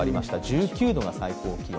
１９度が最高気温。